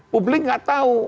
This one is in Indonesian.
publik gak tahu